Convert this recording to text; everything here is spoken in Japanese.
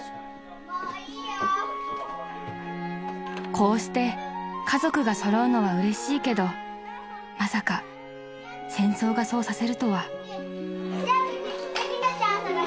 ［こうして家族が揃うのはうれしいけどまさか戦争がそうさせるとは］